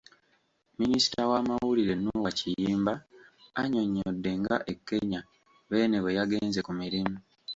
Minisita w’amawulire Noah Kiyimba annyonnyodde nga e Kenya Beene bwe yagenze ku mirimu.